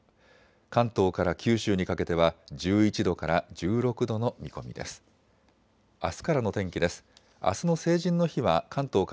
関東から九州にかけては１１度から１６度の見込みです。